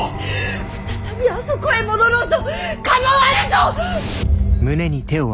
再びあそこへ戻ろうと構わぬと。